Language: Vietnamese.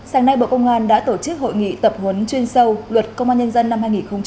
sáng nay bộ công an đã tổ chức hội nghị tập huấn chuyên sâu luật công an nhân dân năm hai nghìn hai mươi ba